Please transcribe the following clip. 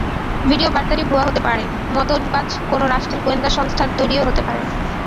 ভিডিওবার্তাটি ভুয়া হতে পারে, মতলববাজ কোনো রাষ্ট্রের গোয়েন্দা সংস্থার তৈরিও হতে পারে।